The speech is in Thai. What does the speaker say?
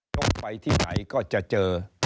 ต้องไปที่ไหนก็จะเจอ